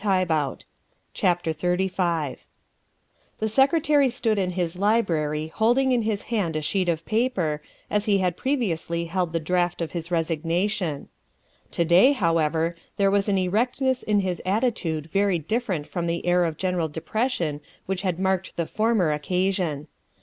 1 348 THE WIFE OF XXXV THE Secretary stood in his library holding in his hand a sheet of paper, as he had previously held the draught of his resignation. To day, however, there was an erectness in his attitude very different from the air of general depression which had marked the former occasion.